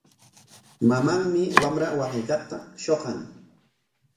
Mamanmi wamra waqaykaqta shuqan.